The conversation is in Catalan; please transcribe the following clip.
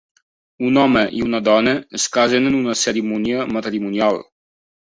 Un home i una dona es casen en una cerimònia matrimonial.